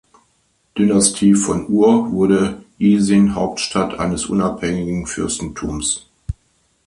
Dynastie von Ur wurde Isin Hauptstadt eines unabhängigen Fürstentums.